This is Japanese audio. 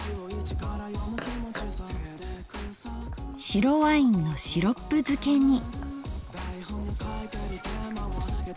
白ワインのシロップ漬けに。